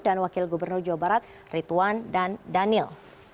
dan wakil gubernur jawa barat rituan dan daniel